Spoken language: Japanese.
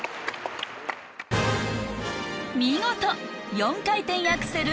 見事４回転アクセル